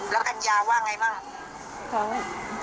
แล้วกัญญาว่าไงบ้าง